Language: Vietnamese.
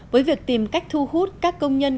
với việc tìm cách thu hút các công nhân